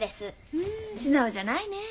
ふん素直じゃないねえ。